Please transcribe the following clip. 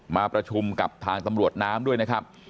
มาประชุมกับทางตำรวจน้ำด้วยนะครับ